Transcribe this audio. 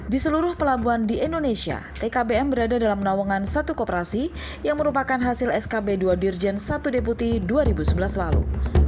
di seluruh pelabuhan di indonesia tkbm berada dalam nawangan satu kooperasi yang merupakan hasil skb dua dirjen satu deputi dua ribu sebelas lalu